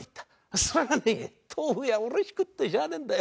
それがね豆腐屋うれしくってしゃあねえんだよ。